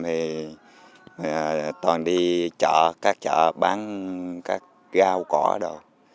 thì toàn đi chợ các chợ bán các rau cỏ đồ